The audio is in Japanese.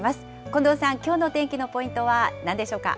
近藤さん、きょうのお天気のポイントはなんでしょうか。